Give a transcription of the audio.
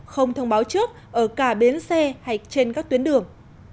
không thông báo trước ở cả bến xe hay trên các tuyến đường